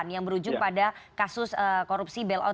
yang berujung pada kasus korupsi bailout